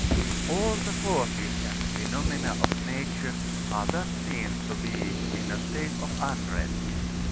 All the forces and phenomena of nature are thus seen to be in a state of unrest.